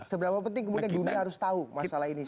seberapa penting kemudian dunia harus tahu masalah ini